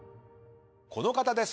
この方です。